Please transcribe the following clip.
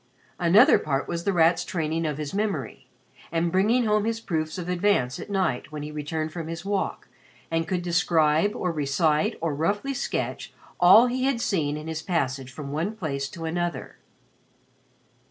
Another part was The Rat's training of his memory, and bringing home his proofs of advance at night when he returned from his walk and could describe, or recite, or roughly sketch all he had seen in his passage from one place to another.